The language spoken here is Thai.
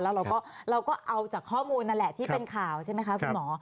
แล้วเราก็เอาจากข้อมูลนั่นแหละที่เป็นข่าวใช่ไหมคะคุณหมอ